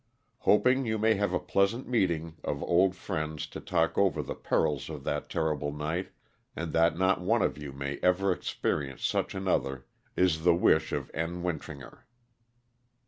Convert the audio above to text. Hoping you may have a pleasant meeting of old friends to talk over the perils of that terrible night, and that not one of you may ever experience such another is the wish of N. Wint ringer.